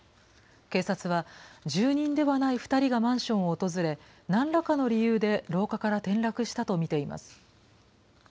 警察は、住人ではない２人がマンションを訪れ、なんらかの理由で廊下から転落したと見ています。